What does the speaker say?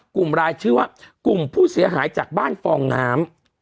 กลุ่มรายชื่อว่ากลุ่มผู้เสียหายจากบ้านฟองน้ำ